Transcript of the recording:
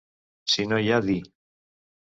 Si no hi ha di